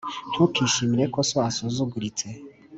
Ntukishimire ko so asuzuguritse,